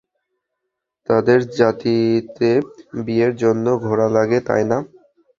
তোদের জাতিতে বিয়ের জন্য ঘোড়া লাগে, তাই না?